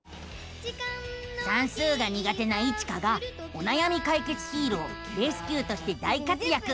算数が苦手なイチカがおなやみかいけつヒーローレスキューとして大活やく！